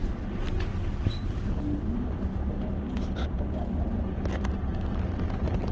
• غونډۍ طبیعي خزانه لري.